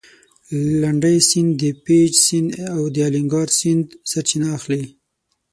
لنډی سیند د پېج سیند او د الینګار سیند سرچینه اخلي.